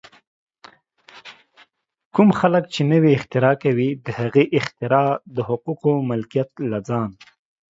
کوم خلک چې نوې اختراع کوي، د هغې اختراع د حقوقو ملکیت له ځان